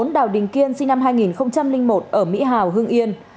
bốn đào đình kiên sinh năm hai nghìn một ở mỹ hảo hương yên